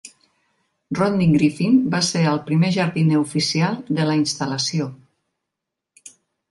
Rodney Griffin va ser el primer jardiner oficial de la instal·lació.